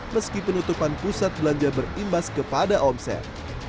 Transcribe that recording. meski penutupan pusat belanja berimbas kepada omset